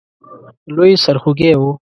لوی سرخوږی وو.